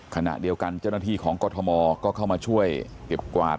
ขณะเดียวกันเจ้าหน้าที่ของกรทมก็เข้ามาช่วยเก็บกวาด